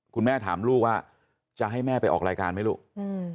คุณแม่ถามลูกว่าจะให้แม่ไปออกรายการไหมลูกอืม